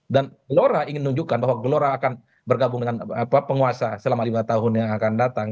gelora ingin menunjukkan bahwa gelora akan bergabung dengan penguasa selama lima tahun yang akan datang